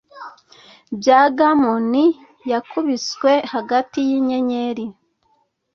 bya garmoni yakubiswe hagati yinyenyeri